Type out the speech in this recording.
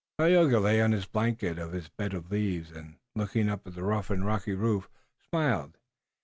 Tayoga lay on his blanket on his bed of leaves, and, looking up at the rough and rocky roof, smiled.